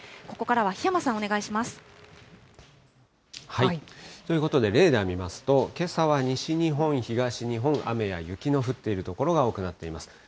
ここからは檜山さん、お願いします。ということでレーダー見ますと、けさは西日本、東日本、雨や雪の降っている所が多くなっています。